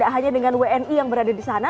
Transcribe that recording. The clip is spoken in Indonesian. dan peperangan ini juga berlaku di indonesia